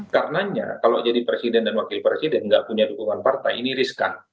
karenanya kalau jadi presiden dan wakil presiden nggak punya dukungan partai ini riskan